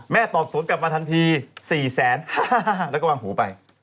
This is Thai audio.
ตอบสวนกลับมาทันที๔แสนแล้วก็วางหูไป